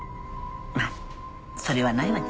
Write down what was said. まっそれはないわね。